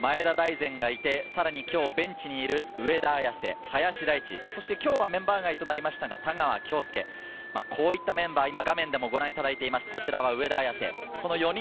前田大然がいて、さらに今日ベンチにいる上田綺世、林大地、そして今日はメンバー外となりましたが田川亨介、こういったメンバー、今画面でもご覧いただいています、こちらが上田綺世。